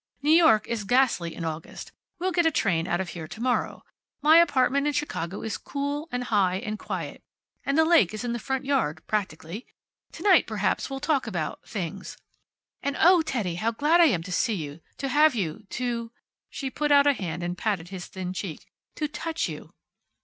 New York is ghastly in August. We'll get a train out of here to morrow. My apartment in Chicago is cool, and high, and quiet, and the lake is in the front yard, practically. To night, perhaps, we'll talk about things. And, oh, Teddy, how glad I am to see you to have you to " she put out a hand and patted his thin cheek "to touch you."